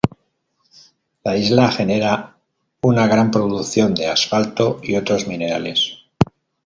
La isla genera una gran producción de asfalto y otros minerales.